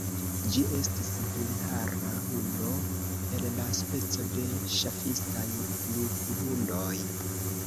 Ĝi estis vilhara hundo el la speco de ŝafistaj luphundoj.